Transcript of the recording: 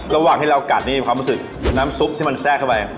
ระหว่างที่เรากัดนี่ความรู้สึกน้ำซุปที่มันแทรกเข้าไป